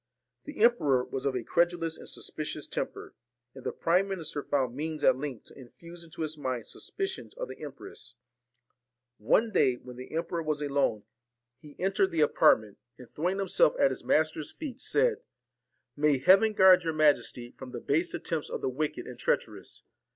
The emperor was of a credulous and suspicious temper, and the prime minister found means at length to infuse into his mind suspicions of the empress. One day when the emperor was alone, he entered c 33 VALEN the apartment, and throwing himself at his TINE AND master's feet, said: 'May Heaven guard your ORSON majesty from the base attempts of the wicked and treacherous!